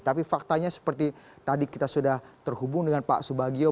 tapi faktanya seperti tadi kita sudah terhubung dengan pak subagio